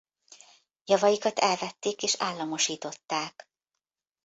Javaikat elvették és államosították.